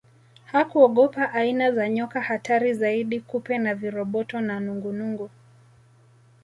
Hakuogopa aina za nyoka hatari zaidi kupe na viroboto na nungunungu